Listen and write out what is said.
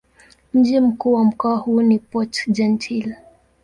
Mji mkuu wa mkoa huu ni Port-Gentil.